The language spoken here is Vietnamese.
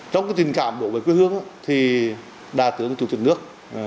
trong tình cảm bộ với quê hương đại tướng là thủ tướng nước